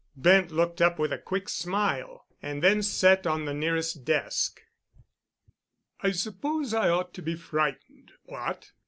Bent looked up with a quick smile, and then sat on the nearest desk. "I suppose I ought to be frightened. What?